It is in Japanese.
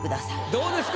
どうですか？